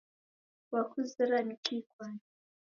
Wakuzera ni kii kwani?